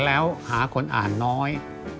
โปรดติดตามต่อไป